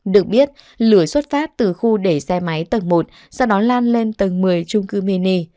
được biết lửa xuất phát từ khu để xe máy tầng một sau đó lan lên tầng một mươi trung cư mini